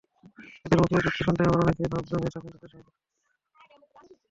এদের মুখের চুটকি শুনতে আবার অনেকেই ভাব জমিয়ে থাকেন তাদের সঙ্গে।